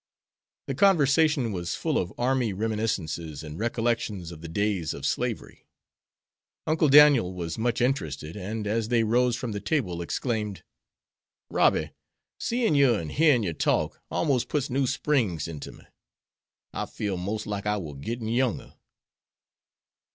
The conversation was full of army reminiscences and recollections of the days of slavery. Uncle Daniel was much interested, and, as they rose from the table, exclaimed: "Robby, seein' yer an' hearin' yer talk, almos' puts new springs inter me. I feel 'mos' like I war gittin' younger."